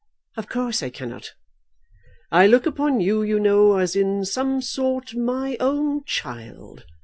"Of course I cannot." "I look upon you, you know, as in some sort my own child.